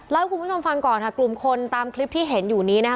ให้คุณผู้ชมฟังก่อนค่ะกลุ่มคนตามคลิปที่เห็นอยู่นี้นะคะ